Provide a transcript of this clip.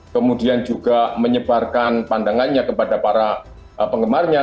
kemudian juga menyebarkan pandangannya kepada para penggemarnya